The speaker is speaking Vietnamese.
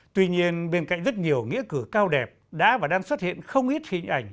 tuy nhiên bên cạnh rất nhiều nghĩa cử cao đẹp đã và đang xuất hiện không ít hình ảnh